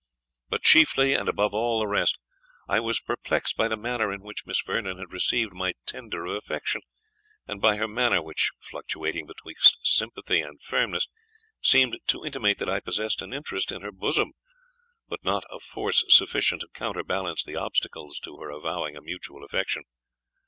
But chiefly and above all the rest, I was perplexed by the manner in which Miss Vernon had received my tender of affection, and by her manner, which, fluctuating betwixt sympathy and firmness, seemed to intimate that I possessed an interest in her bosom, but not of force sufficient to counterbalance the obstacles to her avowing a mutual affection.